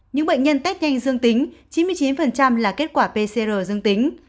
những bệnh nhân test nhanh dương tính chín mươi chín là kết quả pcr dương tính